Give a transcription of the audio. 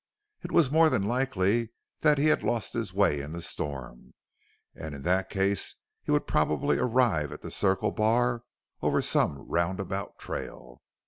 It was more than likely that he had lost his way in the storm, and in that case he would probably arrive at the Circle Bar over some round about trail.